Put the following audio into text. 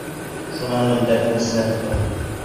Шунан мендәрҙең эсенә тыҡтым.